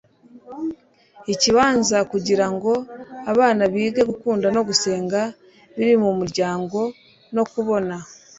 ikibanza kugirango abana bige gukunda no gusenga biri mumuryango, nukubona